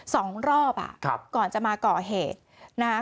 สองรอบอ่ะครับก่อนจะมาก่อเหตุนะคะ